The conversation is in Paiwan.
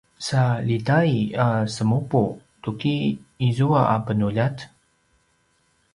sa ljitai a semupu tuki izua a penuljat?